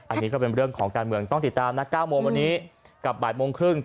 อันนี้ก็เป็นเรื่องของการเมืองต้องติดตามนะ๙โมงวันนี้กับบ่ายโมงครึ่ง